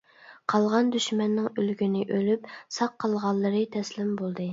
قالغان دۈشمەننىڭ ئۆلگىنى ئۆلۈپ ساق قالغانلىرى تەسلىم بولدى.